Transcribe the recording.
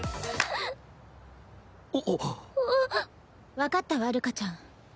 分かったわるかちゃん。